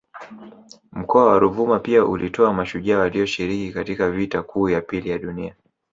Mkoa wa Ruvuma pia ulitoa mashujaa walioshiriki katika Vita kuu ya pili ya Dunia